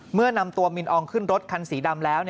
เมื่อนำตัวมินอองขึ้นรถคันสีดำแล้ว